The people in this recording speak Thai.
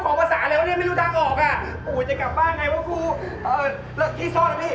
บอกแล้วไงให้กลับ